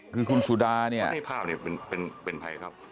คือคุณสุดาเนี่ย